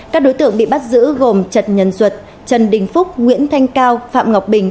các đối tượng bị bắt giữ gồm trần nhân duật trần đình phúc nguyễn thanh cao phạm ngọc bình